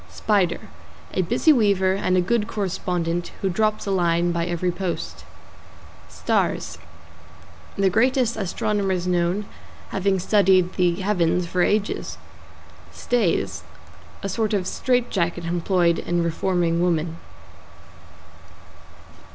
=SPIDER= A busy weaver and a good correspondent, who drops a line by every post. =STARS= The greatest astronomers known, having studded the heavens for ages. =STAYS= A sort of straight jacket employed in reforming women.